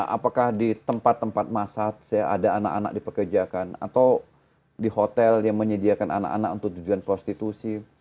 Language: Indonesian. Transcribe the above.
apakah di tempat tempat masak ada anak anak dipekerjakan atau di hotel yang menyediakan anak anak untuk tujuan prostitusi